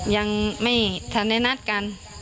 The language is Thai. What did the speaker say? ยังไม่ทันได้นัดกัน